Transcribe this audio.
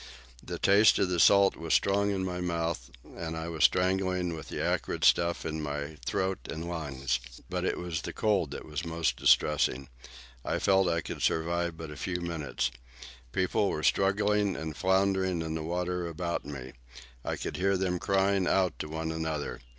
The taste of the salt was strong in my mouth, and I was strangling with the acrid stuff in my throat and lungs. But it was the cold that was most distressing. I felt that I could survive but a few minutes. People were struggling and floundering in the water about me. I could hear them crying out to one another.